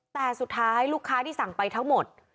แต่สุดท้ายลูกค้าที่สั่งไปทั้งหมด